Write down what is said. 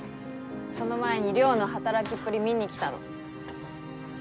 その前に稜の働きっぷり見に来たの。